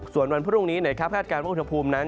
ส่วนวันพรุ่งนี้คาดการณ์ว่าอุณหภูมินั้น